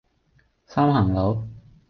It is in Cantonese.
三行佬